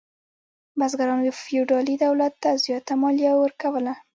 بزګرانو فیوډالي دولت ته زیاته مالیه ورکوله.